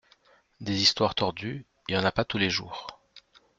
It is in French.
des histoires tordues y’en a pas tous les jours